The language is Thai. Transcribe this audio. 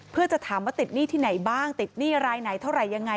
เพื่อจะถามว่าติดหนี้ที่ไหนบ้างติดหนี้รายไหนเท่าไหร่ยังไง